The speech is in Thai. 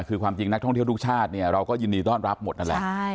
คือความจริงนักท่องเที่ยวทุกชาติเนี่ยเราก็ยินดีต้อนรับหมดนั่นแหละ